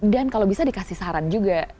dan kalau bisa dikasih saran juga